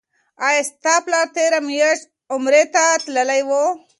آیا ستا پلار تیره میاشت عمرې ته تللی و؟